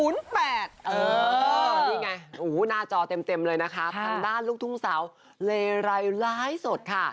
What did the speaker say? นี่ไงหน้าจอเต็มเลยนะคะทางด้านลูกทุ่งสาวเลไรไลฟ์สดค่ะ